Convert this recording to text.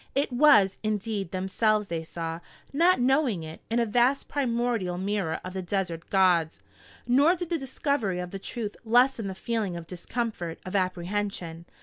It was, indeed, themselves they saw, not knowing it, in a vast primordial mirror of the desert gods. Nor did the discovery of the truth lessen the feeling of discomfort, of apprehension.